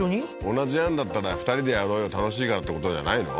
同じなんだったら２人でやろうよ楽しいからってことじゃないの？